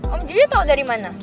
om jojo tau dari mana